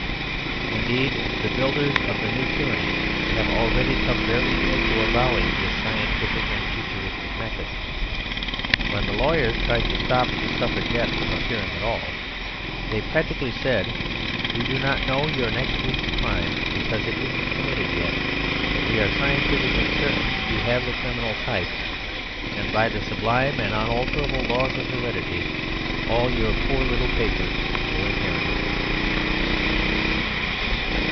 Indeed, the builders of the new tyranny have already come very near to avowing this scientific and futurist method. When the lawyers tried to stop the "Suffragette" from appearing at all, they practically said: "We do not know your next week's crime, because it isn't committed yet; but we are scientifically certain you have the criminal type. And by the sublime and unalterable laws of heredity, all your poor little papers will inherit it."